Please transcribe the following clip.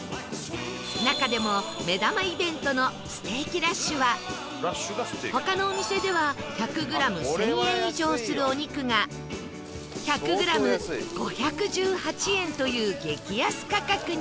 中でも目玉イベントのステーキラッシュは他のお店では１００グラム１０００円以上するお肉が１００グラム５１８円という激安価格に